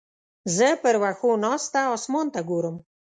زه پر وښو ناسته اسمان ته ګورم.